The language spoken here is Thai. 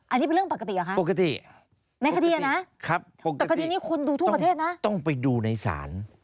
อันนี้เป็นเรื่องปกติเหรอคะในคดีนะครับปกติต้องไปดูในศาล